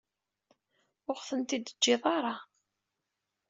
Ur aɣ-ten-id-teǧǧiḍ ara.